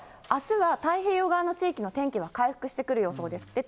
あすは太平洋側の地域の天気は回復してくる予想です。